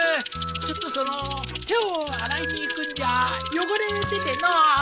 ちょっとその手を洗いに行くんじゃ汚れててのう。